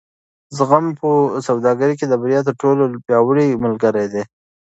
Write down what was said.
زغم په سوداګرۍ کې د بریا تر ټولو پیاوړی ملګری دی.